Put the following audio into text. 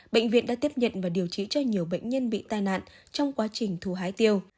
bệnh viện đã tiếp nhận và điều trị cho nhiều bệnh nhân bị tai nạn trong quá trình thu hái tiêu